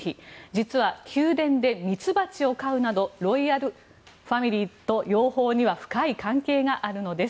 実は宮殿でミツバチを飼うなどロイヤルファミリーと養蜂には深い関係があるのです。